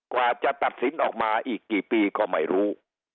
กว่าจะตัดสินออกมาอีกกี่ปีก็ไม่รู้